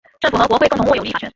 政府和国会共同握有立法权。